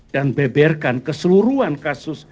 dan beberkan keseluruhan kasus